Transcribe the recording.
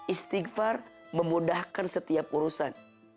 istighfar memudahkan setiap urusan